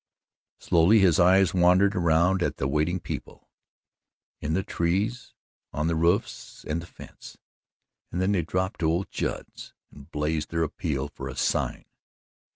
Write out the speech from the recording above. Slowly his eyes wandered around at the waiting people in the trees, on the roofs and the fence and then they dropped to old Judd's and blazed their appeal for a sign.